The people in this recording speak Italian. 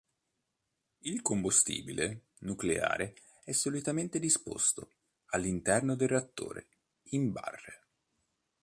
Il "combustibile" nucleare è solitamente disposto, all'interno del reattore, in barre.